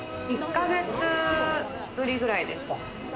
１ヶ月ぶりくらいです。